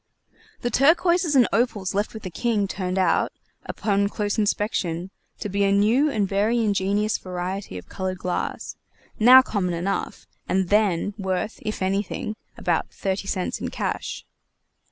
The turquoises and opals left with the King turned out, upon close inspection, to be a new and very ingenious variety of colored glass, now common enough, and then worth, if anything, about thirty cents in cash.